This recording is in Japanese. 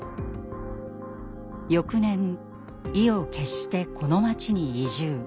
翌年意を決してこの町に移住。